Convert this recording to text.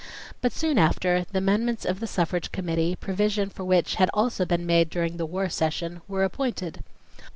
But soon after, the members of the Suffrage Committee, provision for which had also been made during the war session, were appointed.